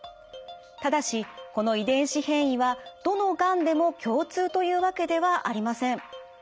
ただしこの遺伝子変異はどのがんでも共通というわけではありません。